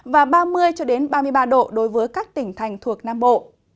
và ba mươi ba mươi ba độ đối với các tỉnh thành thuộc nam bộ